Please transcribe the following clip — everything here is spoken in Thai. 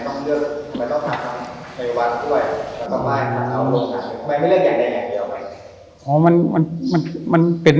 ไหนจากโควิดไหนจากความเจริญทางเทคโนโลยีอีกเลยมันเข้ามา